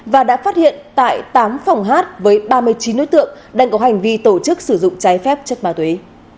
và đã phát hiện tại tám phòng hát với ba mươi chín đối tượng đang có hành vi tổ chức sử dụng trái phép chất ma túy